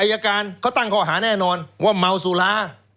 อายการเขาตั้งข้อหาแน่นอนว่าเมาสุรา